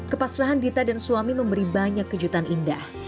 kepasrahan dita dan suami memberi banyak kejutan indah